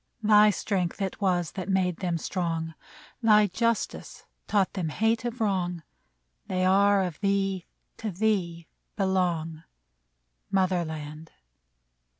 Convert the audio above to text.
Thy strength it was that made them strong ; Thy justice taught them hate of wrong ; They are of thee, to thee belong, Mother land.